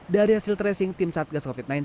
dari hasil tracing tim satgas covid sembilan belas